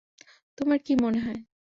তোমার কি মনে হয়?